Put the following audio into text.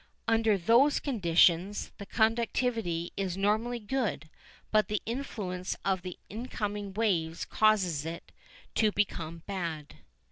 Under those conditions the conductivity is normally good, but the influence of the incoming waves causes it to become bad.